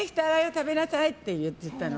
食べなさいって言ったの。